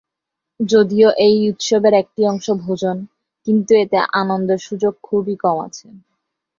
যদিও এই উৎসবের একটি অংশ ভোজন, কিন্তু এতে আনন্দের সুযোগ খুব কমই আছে।